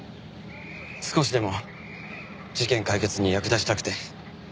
少しでも事件解決に役立ちたくて。